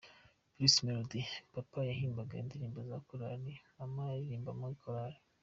Bruce Melody: Papa yahimbaga indirimbo za Korali, mama yaririmbaga muri korali.